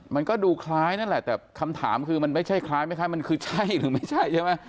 มันก็ดูคล้ายนั่นแหละแต่คำถามคือมันไม่ใช่คล้ายไม่คล้ายมันคือใช่หรือไม่ใช่ใช่ไหม